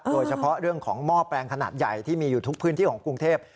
โดยเฉพาะเรื่องของหม้อแปลงขนาดใหญ่ที่มีอยู่ทุกพื้นที่ของกรุงเทพ